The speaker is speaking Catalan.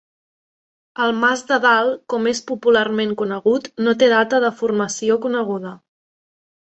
El mas de Dalt, com és popularment conegut, no té data de formació coneguda.